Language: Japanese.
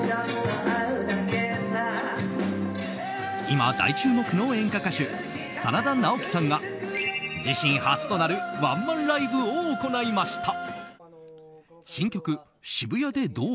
今、大注目の演歌歌手真田ナオキさんが自身初となるワンマンライブを行いました。